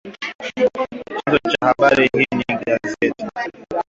Chanzo cha habari hii ni gazeti